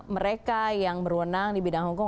mereka yang berwenang di bidang hukum